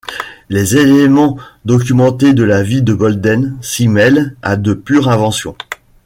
Des éléments documentés de la vie de Bolden s'y mêlent à de pures inventions.